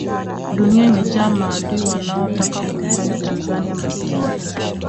dunia imejaa maadui wanaotaka kuifanya tanzania maskini